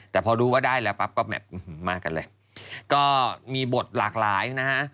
แต่พอรู้ว่าได้แล้วปั๊บก็แบบมากันเลยก็มีบทหลากหลายนะฮะ